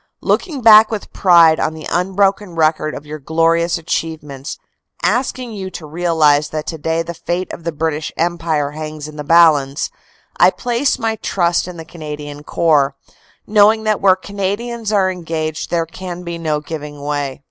"Looking back with pride on the unbroken record of your glorious achievements, asking you to realize that today the fate of the British Empire hangs in the balance, I place my trust in the Canadian Corps, knowing that where Canadians are engaged there can be no giving way.